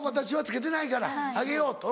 私は着けてないからあげよう。